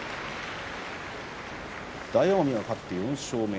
大奄美、勝って４勝目。